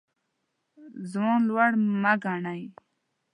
ځان لوړ مه ګڼئ.